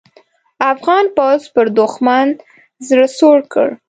افغان پوځ پر دوښمن زړه سوړ کړ.